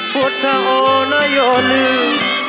พุทธะโอ้น้ายอมฮู